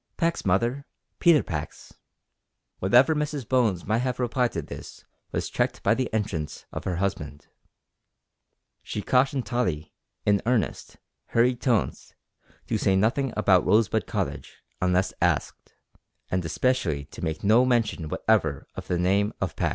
"Pax, mother; Peter Pax." Whatever Mrs Bones might have replied to this was checked by the entrance of her husband. She cautioned Tottie, in earnest, hurried tones, to say nothing about Rosebud Cottage unless asked, and especially to make no mention whatever of the name of Pax.